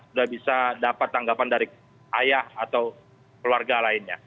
sudah bisa dapat tanggapan dari ayah atau keluarga lainnya